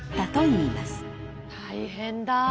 大変だ。